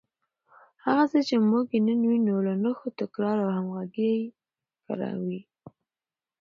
هغه څه چې موږ یې نن وینو، له نښو، تکرار او همغږۍ ښکاري